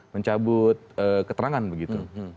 mencabut keterangan begitu